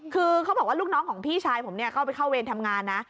คือเขาบอกว่าลูกน้องของพี่ชายผมเนี่ยเข้าไปเข้าเวรทำงานนะ